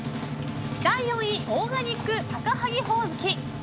第４位、オーガニック高萩ほおずき。